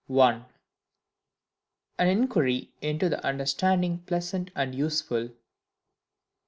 1. An Inquiry into the Understanding pleasant and useful.